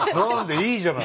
いいじゃない。